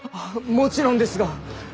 もちろんですが。